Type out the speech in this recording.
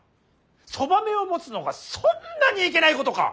そばめを持つのがそんなにいけないことか！